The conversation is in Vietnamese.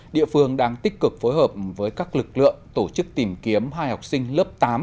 địa phương đang tích cực phối hợp với các lực lượng tổ chức tìm kiếm hai học sinh lớp tám